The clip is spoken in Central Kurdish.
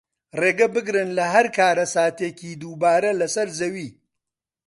ڕێگەبگرن لە هەر کارەساتێکی دووبارە لەسەر زەوی